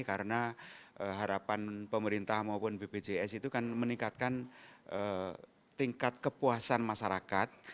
karena harapan pemerintah maupun bpjs itu akan meningkatkan tingkat kepuasan masyarakat